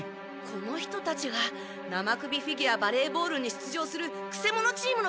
この人たちが生首フィギュアバレーボールに出場するくせ者チームの選手！